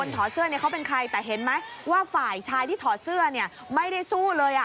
แต่เห็นไหมว่าฝ่ายชายที่ถอดเสื้อเนี่ยไม่ได้สู้เลยอ่ะ